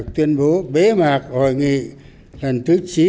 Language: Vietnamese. tuyên bố bế mạc hội nghị lần thứ chín